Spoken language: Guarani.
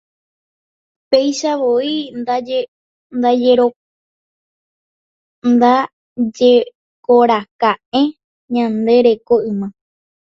Peichavoi ndajekoraka'e ñande reko yma.